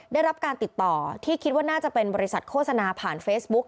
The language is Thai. ได้รับการติดต่อที่คิดว่าน่าจะเป็นบริษัทโฆษณาผ่านเฟซบุ๊ก